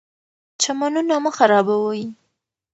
چمنونه مه خرابوئ.